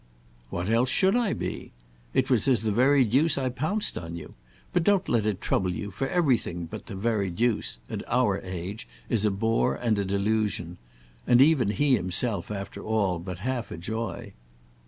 "What else should I be? It was as the very deuce I pounced on you. But don't let it trouble you, for everything but the very deuce—at our age—is a bore and a delusion, and even he himself, after all, but half a joy."